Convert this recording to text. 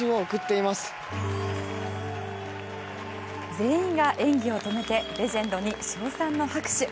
全員が演技を止めてレジェンドに称賛の拍手。